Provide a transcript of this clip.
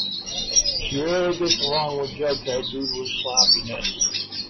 She rarely gets along with Jughead due to his sloppiness.